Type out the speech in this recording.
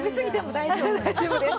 大丈夫です。